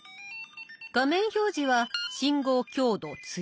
画面表示は「信号強度強い」。